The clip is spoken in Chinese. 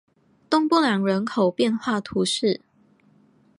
东布朗人口变化图示